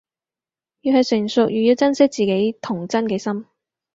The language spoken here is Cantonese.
越係成熟，越要珍惜自己童真嘅心